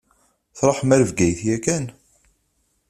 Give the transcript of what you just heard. Tṛuḥem ɣer Bgayet yakan?